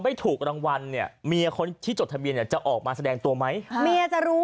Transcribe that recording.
ไม่ถูกรางวันเมียคนที่จดทะเบียนจะออกมาแสดงตัวไหมจะรู้